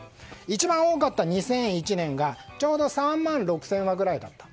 一番多かった２００１年がちょうど３万６０００羽ぐらいだった。